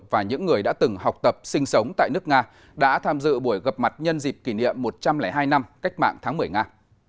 và những người đã từng học tập sinh sống tại nước nga đã tham dự buổi gặp mặt nhân dịp kỷ niệm một trăm linh hai năm cách mạng tháng một mươi nga